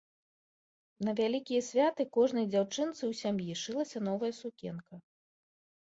На вялікія святы кожнай дзяўчынцы ў сям'і шылася новая сукенка.